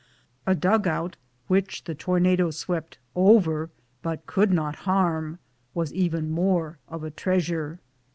A dug out, which the tornado swept over, but could not harm, was even more of a treasure.